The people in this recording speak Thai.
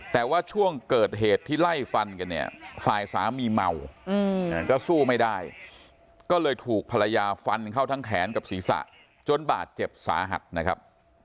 แต่ว่าช่วงเกิดเหตุที่ไล่ฟันกันเนี่ยฝ่ายสามีเมาก็สู้ไม่ได้ก็เลยถูกภรรยาฟันเข้าทั้งแขนกับศีรษะจนบาดเจ็บสาหัสนะครับ